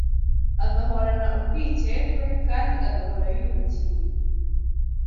agahorana urwikekwe kandi agahora yubikiriye